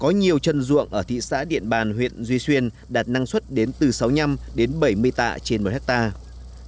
có nhiều chân ruộng ở thị xã điện bàn huyện duy xuyên đạt năng suất đến từ sáu mươi năm đến bảy mươi tạ trên một hectare